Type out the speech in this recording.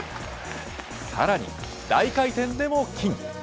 さらに、大回転でも金。